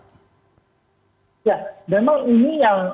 ya memang ini yang